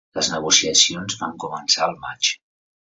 Les negociacions van començar al maig.